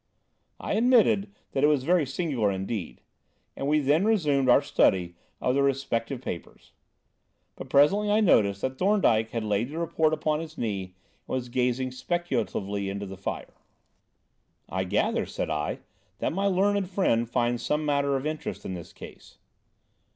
I admitted that it was very singular indeed, and we then resumed our study of the respective papers. But presently I noticed that Thorndyke had laid the report upon his knee, and was gazing speculatively into the fire. "I gather," said I, "that my learned friend finds some matter of interest in this case."